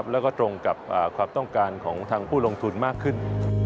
แล้วก็ตรงกับความต้องการของทางผู้ลงทุนมากขึ้น